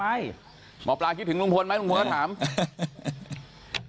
ตำรวจบอกว่าภายในสัปดาห์เนี้ยจะรู้ผลของเครื่องจับเท็จนะคะ